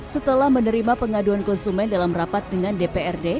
setelah menerima pengaduan konsumen dalam rapat dengan dprd